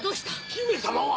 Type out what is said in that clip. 姫様は？